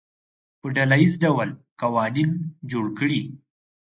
په ډله ییز ډول قوانین جوړ کړي.